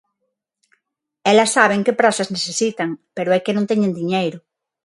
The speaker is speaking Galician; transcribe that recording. Elas saben que prazas necesitan, pero é que non teñen diñeiro.